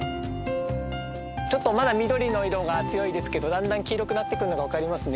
ちょっとまだ緑の色が強いですけどだんだん黄色くなってくるのが分かりますね。